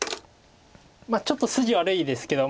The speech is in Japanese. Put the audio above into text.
ちょっと筋悪いですけど。